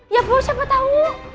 ya boh siapa tau